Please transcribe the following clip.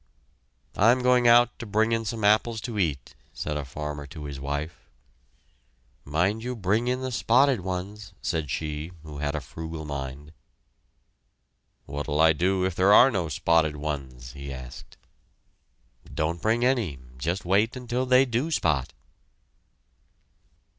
"I am going out to bring in some apples to eat," said a farmer to his wife. "Mind you bring in the spotted ones," said she who had a frugal mind. "What'll I do if there are no spotted ones?" he asked. "Don't bring any just wait until they do spot!"